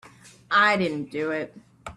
I didn't do it.